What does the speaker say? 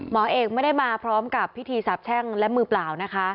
หมอเอกไม่ได้มาพร้อมกับพิธีสาบแช่งและมือเปล่านะคะ